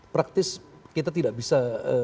praktis kita tidak bisa